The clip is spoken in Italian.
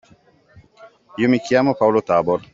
Io mi chiamo Paolo Tabor.